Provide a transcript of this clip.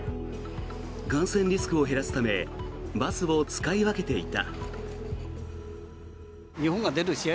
感染リスクを減らすためバスを使い分けていた。